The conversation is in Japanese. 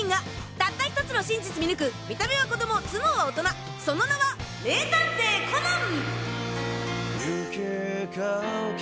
たった１つの真実見抜く見た目は子供頭脳は大人その名は名探偵コナン！